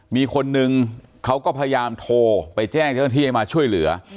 มีคนนึงเขาก็พยายามโทรไปแจ้งเจ้าหน้าที่ให้มาช่วยเหลือ